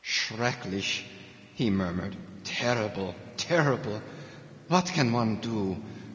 "Schrecklich," he murmured. "Terrible! Terrible! What can one do?"